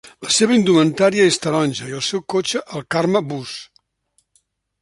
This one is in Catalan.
La seva indumentària és taronja i el seu cotxe el Karma Bus.